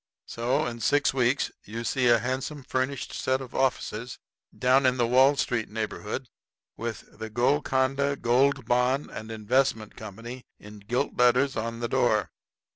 So, in six weeks you see a handsome furnished set of offices down in the Wall Street neighborhood, with "The Golconda Gold Bond and Investment Company" in gilt letters on the door.